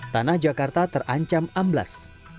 tanah jakarta terancam amblas